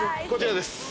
こちらです。